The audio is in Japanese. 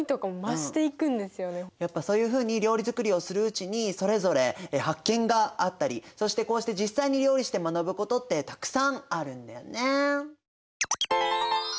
やっぱそういうふうに料理作りをするうちにそれぞれ発見があったりそしてこうして実際に料理して学ぶことってたくさんあるんだよね。